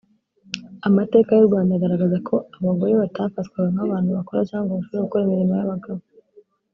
Amateka y’u Rwanda agaragaza ko abagore batafatwaga nk’abantu bakora cyangwa ngo bashobore gukora imirimo y’abagabo